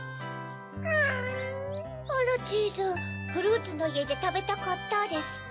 あらチーズ「フルーツのいえでたべたかった」ですって？